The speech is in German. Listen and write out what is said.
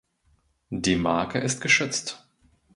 Die Marke ist geschützt.